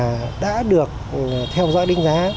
các cái diện tích mà đã được theo dõi đánh giá